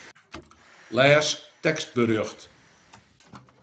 Lês tekstberjocht.